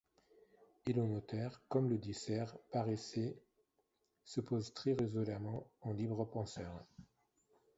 Et le notaire, comme le dessert paraissait, se posa très résolument en libre penseur.